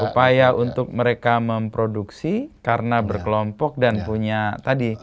upaya untuk mereka memproduksi karena berkelompok dan punya tadi